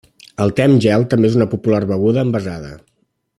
El te amb gel és també una popular beguda envasada.